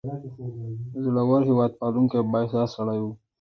زړور، هیواد پالونکی او با احساسه سړی و.